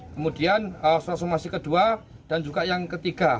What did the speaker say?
kemudian somasi kedua dan juga yang ketiga